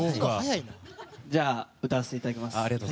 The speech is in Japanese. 歌わせていただきます。